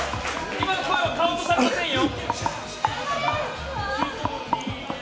今の声はカウントされませんよ。